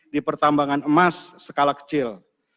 di pertambangan emas skala kecil